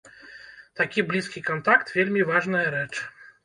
Такі блізкі кантакт вельмі важная рэч!